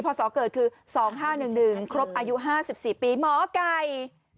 พอสอเกิดคือสองห้าหนึ่งหนึ่งครบอายุห้าสิบสี่ปีหมอไกย